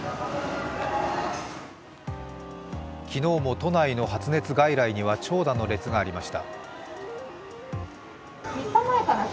昨日も都内の発熱外来には、長蛇の列がありました。